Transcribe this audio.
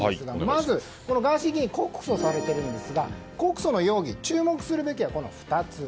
まず、ガーシー議員告訴されているんですが告訴の容疑注目すべきはこの２つ。